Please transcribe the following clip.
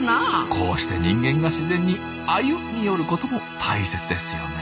こうして人間が自然にアユみよることも大切ですよね。